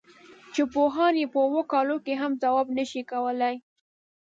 چې پوهان یې په اوو کالو کې هم ځواب نه شي کولای.